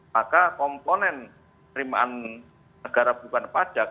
maka komponen terimaan negara bukan pajak